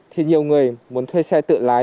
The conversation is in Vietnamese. thì nhiều người muốn thuê xe tự lái